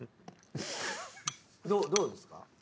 どうですか？